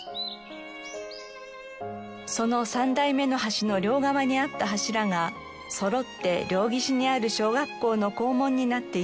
その３代目の橋の両側にあった柱がそろって両岸にある小学校の校門になっています。